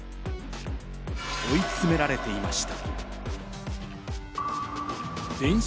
追い詰められていました。